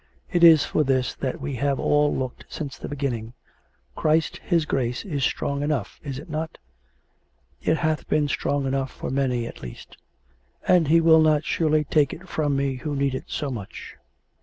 It is for this that we have all looked since the beginning. Christ His Grace is strong enough, is it not? It hath been strong enough for many, at least; and He will not surely take it from me who need it so much.